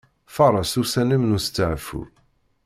Faṛes ussan-im n usteɛfu.